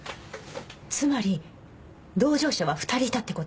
つまり同乗者は２人いたってこと？